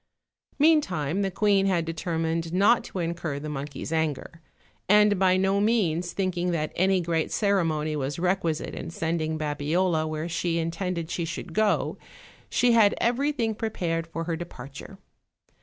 Meantime the queen had determined not to incur the monkey's anger; and by no means thinking that any great ceremony was requisite in sending Babiola where she in tended she should go, she had everything prepared for her departure.